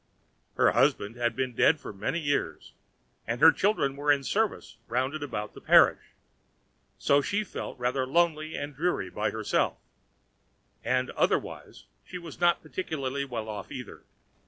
Her husband had been dead for many years, and her children were in service round about the parish, so she felt rather lonely and dreary by herself, and otherwise she was not particularly well off either.